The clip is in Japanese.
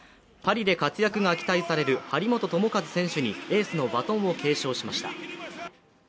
パリで活躍が期待される張本智和選手にエースのバトンを継承しました。